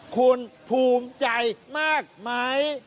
คุณภูมิใจมากไหม